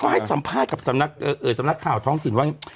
ให้สัมภาษณ์กับสำนักข่าวท้องถิ่นว่า